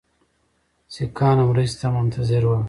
سیکهانو مرستې ته منتظر ول.